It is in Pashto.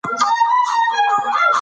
هغه و پړسېډی .